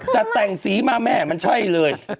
แต่แต่งสีมาแม่มันใช่เลย